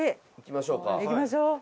行きましょうか。